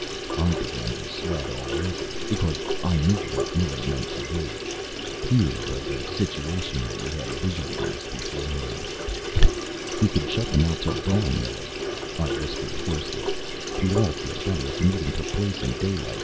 I began to sweat all over, because I knew what Miller meant to do. Here was a situation that we had visualized beforehand. "We could shut them out till dawn, Miller," I whispered hoarsely. "We'd all feel better if the meeting took place in day light.